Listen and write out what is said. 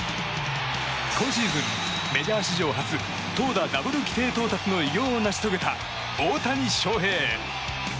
今シーズン、メジャー史上初投打ダブル規定到達の偉業を成し遂げた大谷翔平。